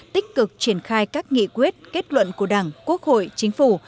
tích cực triển khai các nghị quyết kết luận của đảng quốc hội chính phủ